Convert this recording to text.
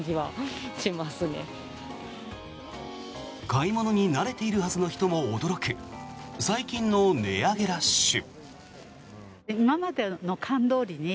買い物に慣れているはずの人も驚く最近の値上げラッシュ。